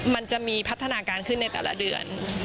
มันจะมีพัฒนาการขึ้นในแต่ละเดือน